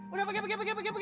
udah pergi pergi pergi